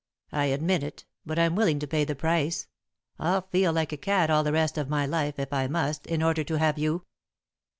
"I admit it, but I'm willing to pay the price. I'll feel like a cad all the rest of my life, if I must, in order to have you."